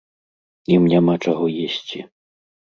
Ім няма чаго есці.